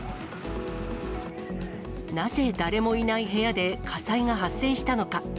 なぜ誰もいない部屋で火災が発生したのか。